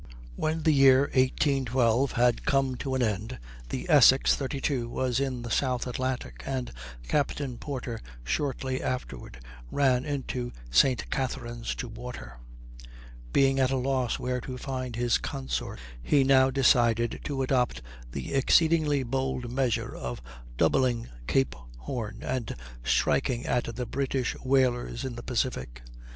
When the year 1812 had come to an end, the Essex, 32, was in the South Atlantic, and Captain Porter shortly afterward ran into St. Catherines to water. Being at a loss where to find his consorts, he now decided to adopt the exceedingly bold measure of doubling Cape Horn and striking at the British whalers in the Pacific.